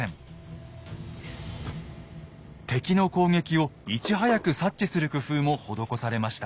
敵の攻撃をいち早く察知する工夫も施されました。